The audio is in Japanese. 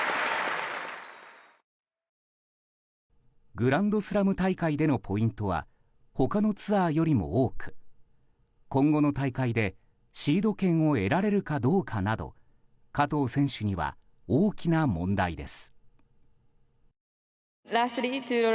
グランドスラム大会でのポイントは他のツアーよりも多く今後の大会でシード権を得られるかどうかなど加藤選手には大きな問題です。